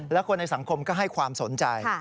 และคนในสังคมก็ให้ความสนใจ